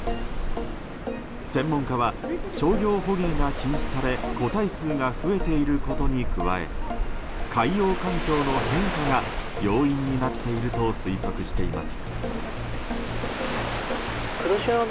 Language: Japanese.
専門家は商業捕鯨が禁止され個体数が増えていることに加え海洋環境の変化が要因になっていると推測しています。